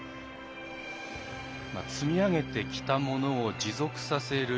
積み上げてきたものを持続させる。